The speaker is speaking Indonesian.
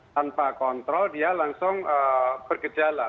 tanpa kontrol dia langsung bergejala